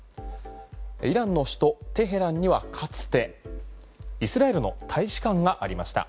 イランの首都テヘランにはかつてイスラエルの大使館がありました。